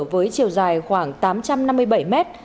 với chiều dài khoảng tám trăm năm mươi bảy mét